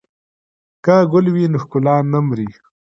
که ګل وي نو ښکلا نه مري.